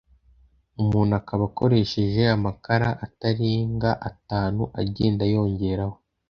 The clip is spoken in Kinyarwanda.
umuntu akaba akoresheje amakara atarenga atanu agenda yongeraho